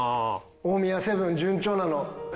大宮セブン順調なの知ってる。